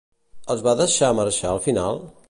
Els va deixar marxar al final?